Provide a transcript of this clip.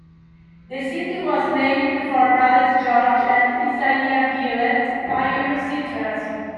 The city was named for brothers George and Isaiah Gillett, pioneer settlers.